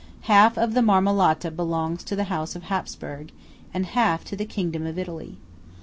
Half of the Marmolata belongs to the House of Hapsburg, and half to the kingdom of Italy.